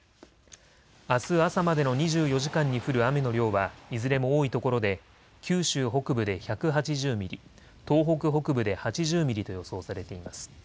あす朝までの２４時間に降る雨の量はいずれも多いところで九州北部で１８０ミリ、東北北部で８０ミリと予想されています。